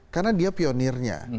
karena dia pionirnya